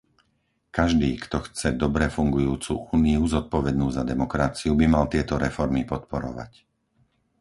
Každý, kto chce dobre fungujúcu Úniu zodpovednú za demokraciu, by mal tieto reformy podporovať.